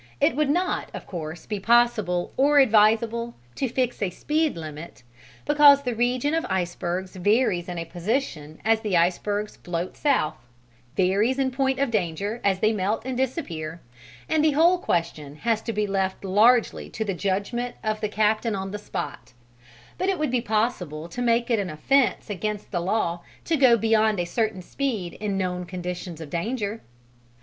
It would not of course be possible or advisable to fix a "speed limit," because the region of icebergs varies in position as the icebergs float south, varies in point of danger as they melt and disappear, and the whole question has to be left largely to the judgment of the captain on the spot; but it would be possible to make it an offence against the law to go beyond a certain speed in known conditions of danger.